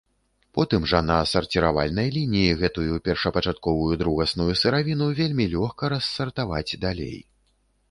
Потым жа, на сарціравальнай лініі, гэтую першапачатковую другасную сыравіну вельмі лёгка рассартаваць далей.